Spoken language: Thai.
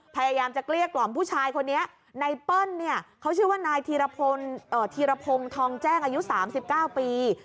พยายามจะเกลี้ยกล่อมผู้ชายคนนี้นายเปิ้ลเนี่ยเขาชื่อว่านายธีรพงศ์ทองแจ้งอายุ๓๙ปี